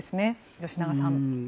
吉永さん。